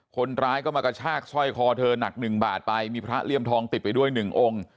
คนร้ายก็มากระชากสร้อยคอเธอหนักหนึ่งบาทไปมีพระเลี่ยมทองติดไปด้วยหนึ่งองค์